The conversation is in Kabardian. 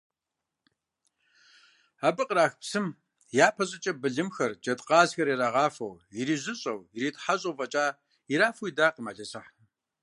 Абы кърах псым, япэ щӏыкӏэ, былымхэр, джэдкъазхэр ирагъафэу, ирижьыщӏэу, иритхьэщӏэу фӏэкӏа ирафу идакъым ӏэлисахь.